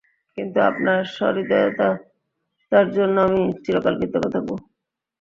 কিন্তু আপনার সহৃদয়তার জন্য আমি চিরকাল কৃতজ্ঞ থাকব।